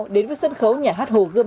đến với sân khấu nhà hát hồ gươm